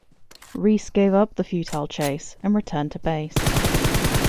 Rees gave up the futile chase, and returned to base.